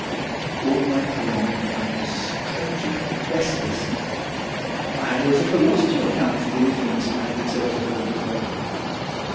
All night long I was strangely restless. I was at a loss to account for the influence I had exerted over the girl.